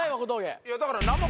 いやだから。